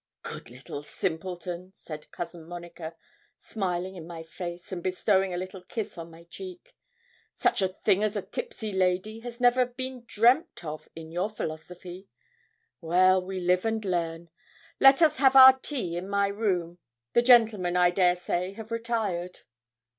'Good little simpleton!' said Cousin Monica, smiling in my face, and bestowing a little kiss on my cheek; 'such a thing as a tipsy lady has never been dreamt of in your philosophy. Well, we live and learn. Let us have our tea in my room the gentlemen, I dare say, have retired.'